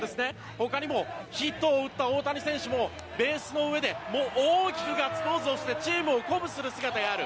ほかにもヒットを打った大谷選手もベースの上で大きくガッツポーズしてチームを鼓舞する姿がある。